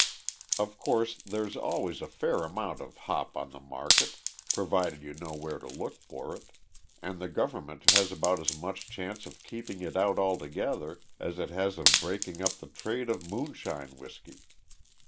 Of course, there's always a fair amount of "hop" on the market, provided you know where to look for it, and the government has about as much chance of keeping it out altogether as it has of breaking up the trade in moonshine whisky.